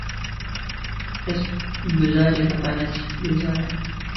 هېڅ ګوزار یې خطا نه ځي بې ځایه.